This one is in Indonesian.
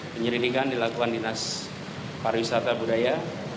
penyelidikan dilakukan di nas pariwisata budaya